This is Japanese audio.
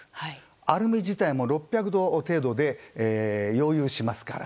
アルミ自体も６００度程度で溶融しますから。